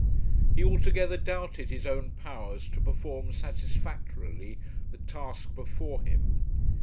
He altogether doubted his own powers to perform satisfactorily the task before him.